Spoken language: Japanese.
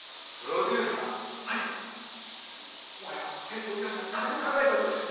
もはや先生以外には誰も考えておりません。